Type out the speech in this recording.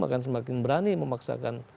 akan semakin berani memaksakan